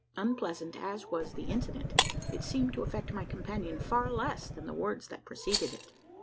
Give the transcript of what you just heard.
Unpleasant as was the incident, it seemed to affect my companion far less than the words that preceded it.